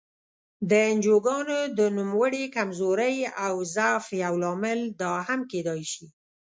د انجوګانو د نوموړې کمزورۍ او ضعف یو لامل دا هم کېدای شي.